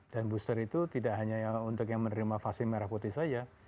dan booster itu tidak hanya untuk yang menerima vaksin merah putih saja